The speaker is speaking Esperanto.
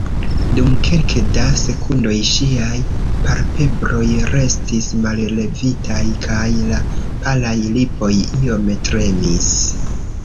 Dum kelke da sekundoj ŝiaj palpebroj restis mallevitaj kaj la palaj lipoj iom tremis.